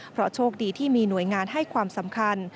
เพราะโชคดีที่มีหน่วยงานให้ความสำคัญ